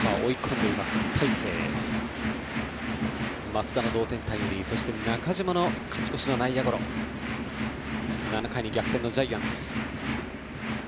増田の同点タイムリーそして中島の勝ち越しの内野ゴロで７回に逆転のジャイアンツ。